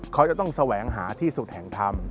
เขาจะต้องแสวงหาที่สุดแห่งธรรม